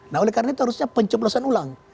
nah oleh karena itu harusnya pencoblosan ulang